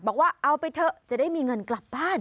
บอกว่าเอาไปเถอะจะได้มีเงินกลับบ้าน